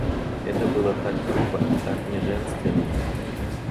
Это было так грубо, так неженственно.